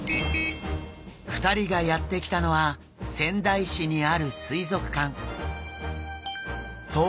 ２人がやって来たのは仙台市にある水族館。